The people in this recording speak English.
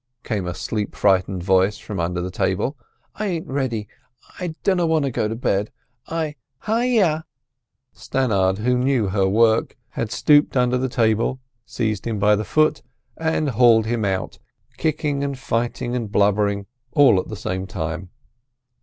came a sleep freighted voice from under the table; "I ain't ready. I dunno want to go to bed, I— Hi yow!" Mrs Stannard, who knew her work, had stooped under the table, seized him by the foot, and hauled him out kicking and fighting and blubbering all at the same time.